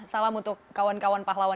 salam untuk kawan kawan pahlawan